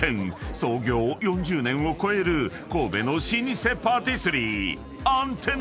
［創業４０年を越える神戸の老舗パティスリー］